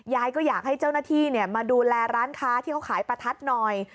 ยายก็อยากให้เจ้าหน้าที่มาดูแลร้านค้าที่เขาขายประทัดหน่อย